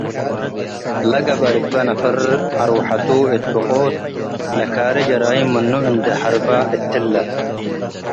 ለገብአ ልግበእ ነፈር አርወሐቱ እት ብቆት ለካሬ ጀራይም ምኑ እንዴ ሀርበ እትለ